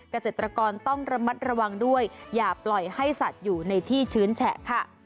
เกษตรกรต้องระมัดระวังด้วยอย่าปล่อยให้สัตว์อยู่ในที่ชื้นแฉะค่ะ